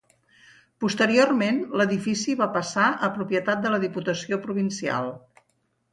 Posteriorment, l'edifici va passar a propietat de la Diputació Provincial.